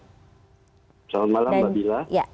selamat malam mbak bila